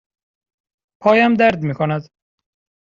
پایم درد می کند.